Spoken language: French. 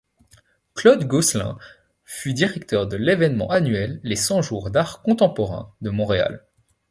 Claude Gosselin fut directeur de l'événement annuel Les Cent jours d'art contemporain de Montréal.